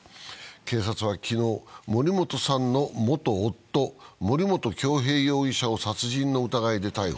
警察は昨日、森本さんの元夫、森本恭平容疑者を殺人の疑いで逮捕。